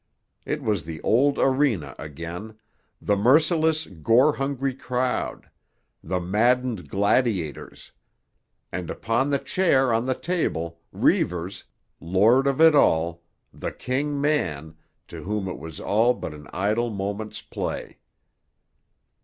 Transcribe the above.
It was the old arena again; the merciless, gore hungry crowd; the maddened gladiators; and upon the chair on the table, Reivers, lord of it all, the king man, to whom it was all but an idle moment's play.